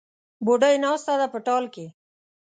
بوډۍ ناسته ده په ټال کې